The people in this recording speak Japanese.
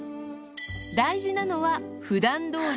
大事なのはふだんどおり。